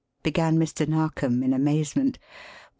began Mr. Narkom, in amazement.